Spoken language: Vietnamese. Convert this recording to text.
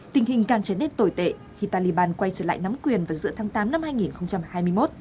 tình hình càng trở nên tồi tệ khi taliban quay trở lại nắm quyền vào giữa tháng tám năm hai nghìn hai mươi một